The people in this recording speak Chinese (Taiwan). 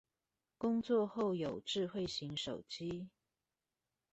工作後有智慧型手機